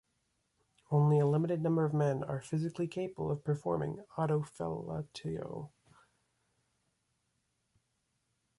Only a limited number of men are physically capable of performing autofellatio.